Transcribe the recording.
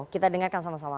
kita dengarkan sama sama